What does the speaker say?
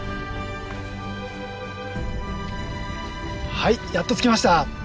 はいやっと着きました。